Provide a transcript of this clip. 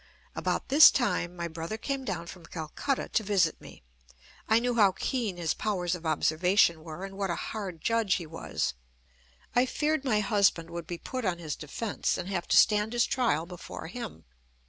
About this time my brother came down from Calcutta to visit me. I knew how keen his powers of observation were, and what a hard judge he was. I feared my husband would be put on his defence, and have to stand his trial before him.